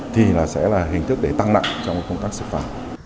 thì sẽ là hình thức để tăng nặng trong công tác xếp phá